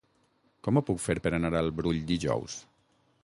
Com ho puc fer per anar al Brull dijous?